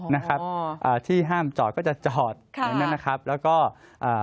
นะครับอ่าที่ห้ามจอดก็จะจอดค่ะเหมือนนั้นนะครับแล้วก็อ่า